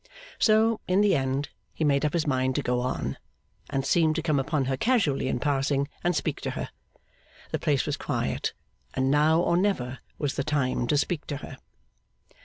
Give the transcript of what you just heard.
So, in the end, he made up his mind to go on, and seem to come upon her casually in passing, and speak to her. The place was quiet, and now or never was the time to speak to her.